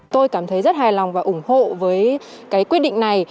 tôi cảm thấy rất hài lòng và ủng hộ với cái quyết định này